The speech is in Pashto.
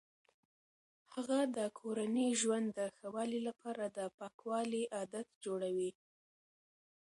هغه د کورني ژوند د ښه والي لپاره د پاکوالي عادات جوړوي.